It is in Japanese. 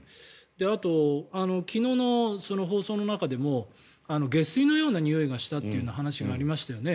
あと、昨日の放送の中でも下水のようなにおいがしたという話がありましたよね。